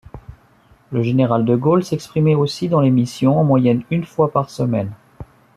Le Général de Gaulle s'exprimait aussi dans l'émission en moyenne une fois par semaine.